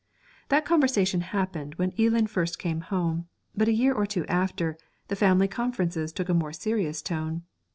That conversation happened when Eelan first came home; but a year or two after, the family conferences took a more serious tone.